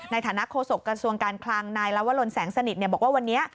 ในฐานะโฆษกระทรวงการคลังนายลวรนแสงสนิทบอกว่าวันนี้